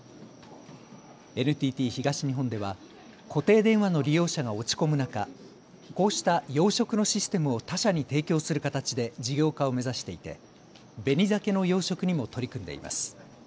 ＮＴＴ東日本では固定電話の利用者が落ち込む中、こうした養殖のシステムを他社に提供する形で事業化を目指していてベニザケの養殖にも取り組んでいます。